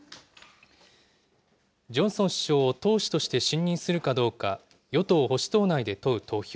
ジョンソン首相を党首として信任するかどうか、与党・保守党内で問う投票。